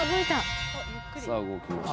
さあ動きました